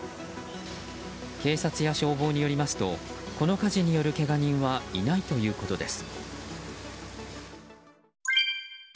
警察や消防によりますとこの火事によるけが人はいないということです。